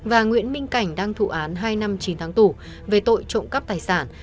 và nguyễn minh cảnh đang thụ án hai năm chín tháng tù về tội trộm cắp tài sản